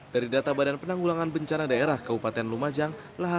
dari data badan penanggulangan bencana daerah kabupaten lumajang